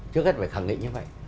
trước hết phải khẳng định như vậy